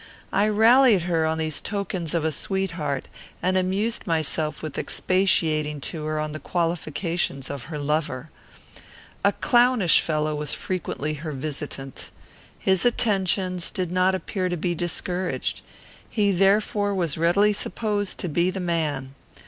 I rallied her on these tokens of a sweetheart, and amused myself with expatiating to her on the qualifications of her lover. A clownish fellow was frequently her visitant. His attentions did not appear to be discouraged. He therefore was readily supposed to be the man.